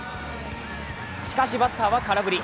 しかしバッターは空振り。